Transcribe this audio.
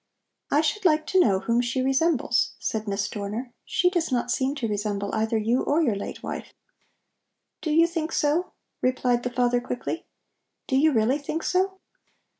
"I should like to know whom she resembles," said Miss Dorner; "she does not seem to resemble either you or your late wife." "Do you think so?" replied the father quickly. "Do you really think so?